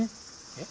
えっ？